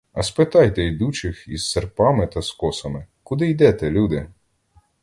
А спитайте йдучих із серпами та з косами: „Куди йдете, люди?